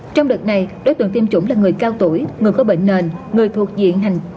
trong đợt này đối tượng tiêm chủng là người cao tuổi người có bệnh nền người thuộc diện hành